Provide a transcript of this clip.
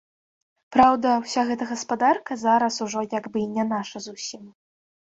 Праўда, уся гэта гаспадарка зараз ужо як бы і не наша зусім.